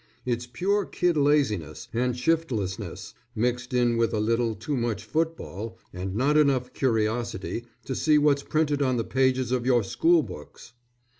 It's pure kid laziness, and shiftlessness, mixed in with a little too much football, and not enough curiosity to see what's printed on the pages of your school books.